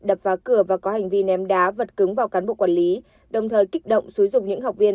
đập phá cửa và có hành vi ném đá vật cứng vào cán bộ quản lý đồng thời kích động